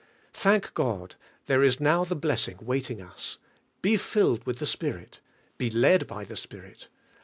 Thank God, there is now the blessing waiting us. "Be filled with the Spirit." "Be led by the Spirit."